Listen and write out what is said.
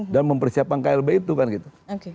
dan mempersiapkan klb itu